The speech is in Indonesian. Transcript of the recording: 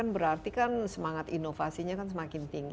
berarti kan semangat inovasinya kan semakin tinggi